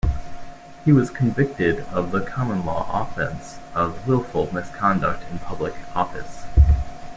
He was convicted of the common law offence of wilful misconduct in public office.